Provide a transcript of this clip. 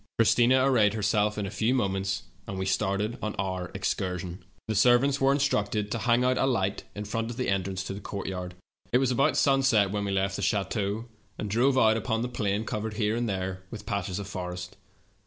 Christina arrayed herself in a few moments, and we started on our excursion. "The servants were instructed to hang out a 11 162 THE TALKING HANDKERCHIEF. light in front of the entrance to the courtyard. It was about sunset when we left the chateau and drove out tipon the plain, covered here and there with patches of forest.